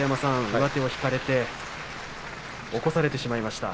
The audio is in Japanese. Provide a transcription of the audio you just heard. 上手を引かれて起こされてしまいました。